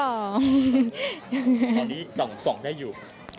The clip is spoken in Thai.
ตอนนี้ส่องได้อยู่